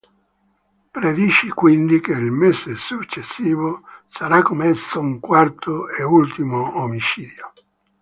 Predice quindi che il mese successivo sarà commesso un quarto e ultimo omicidio.